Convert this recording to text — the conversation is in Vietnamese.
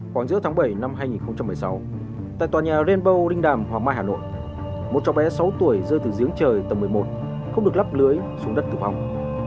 khoảng giữa tháng bảy năm hai nghìn một mươi sáu tại tòa nhà ranbow linh đàm hoàng mai hà nội một cháu bé sáu tuổi rơi từ giếng trời tầng một mươi một không được lắp lưới xuống đất tử vong